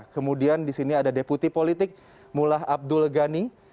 kemudian disini ada deputi politik mullah abdul ghani